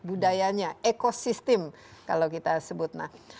budayanya ekosistem kalau kita sebut